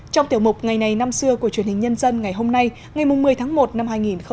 trong tiểu mục ngày này năm xưa của truyền hình nhân dân ngày hôm nay ngày một mươi tháng một năm hai nghìn hai mươi